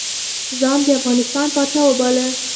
ځان د افغانستان پاچا وباله.